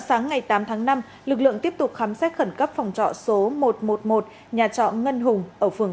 sáng ngày tám tháng năm lực lượng tiếp tục khám xét khẩn cấp phòng trọ số một trăm một mươi một nhà trọ ngân hùng ở phường